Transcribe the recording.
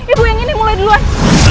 ibu yang ini mulai duluan